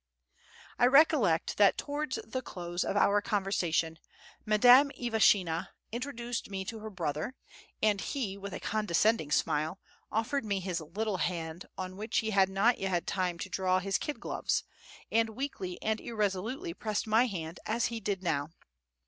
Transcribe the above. I recollect that towards the close of our conversation Madame Ivashina introduced me to her brother; and he, with a condescending smile, offered me his little hand on which he had not yet had time to draw his kid gloves, and weakly and irresolutely pressed my hand as he did now.